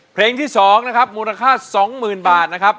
เพลงที่๒นะครับมูลค่า๒๐๐๐บาทนะครับ